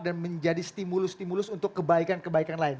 dan menjadi stimulus stimulus untuk kebaikan kebaikan lain